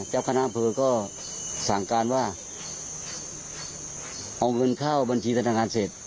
เจ้าคณะอำเภอก็สั่งการว่าเอาเงินเข้าบัญชีธนาคารเสร็จ